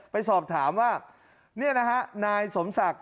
ไปสอบถามว่านี่นะฮะนายสมศักดิ์